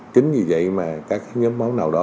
chính vì vậy mà các nhóm máu nào đó